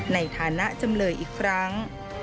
ในฐานะจำเลยอีกครั้ง